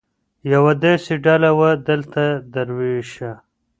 يوه داسي ډله وه دلته دروېشه !